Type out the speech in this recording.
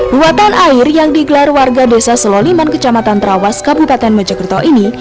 muatan air yang digelar warga desa seloliman kecamatan trawas kabupaten mojokerto ini